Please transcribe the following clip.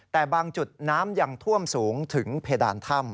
แต่บางจุดน้ำยังท่วมสูงถึงเพดานถ้ำ